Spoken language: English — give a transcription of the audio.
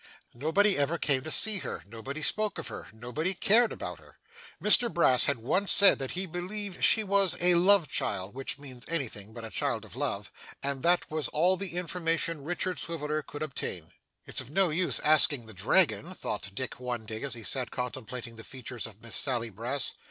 Nobody ever came to see her, nobody spoke of her, nobody cared about her. Mr Brass had said once, that he believed she was a 'love child' (which means anything but a child of love), and that was all the information Richard Swiveller could obtain. 'It's of no use asking the dragon,' thought Dick one day, as he sat contemplating the features of Miss Sally Brass.